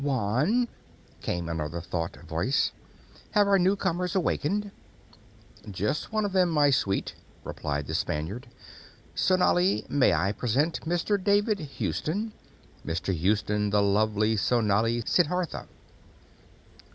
"Juan!" came another thought voice. "Have our newcomers awakened?" "Just one of them, my sweet," replied the Spaniard. "Sonali, may I present Mr. David Houston. Mr. Houston, the lovely Sonali Siddhartha."